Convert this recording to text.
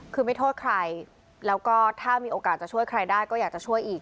คือไม่โทษใครแล้วก็ถ้ามีโอกาสจะช่วยใครได้ก็อยากจะช่วยอีก